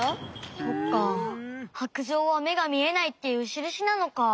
そっか白杖はめがみえないっていうしるしなのか。